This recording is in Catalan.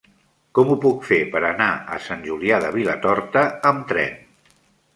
Com ho puc fer per anar a Sant Julià de Vilatorta amb tren?